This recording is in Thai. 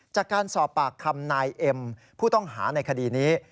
จากการสอบปากคำนายเอ็มผู้ต้องหาในคดีนี้